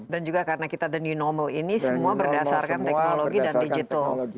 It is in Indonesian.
dan juga karena kita the new normal ini semua berdasarkan teknologi dan digital